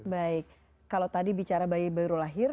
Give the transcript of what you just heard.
baik kalau tadi bicara bayi baru lahir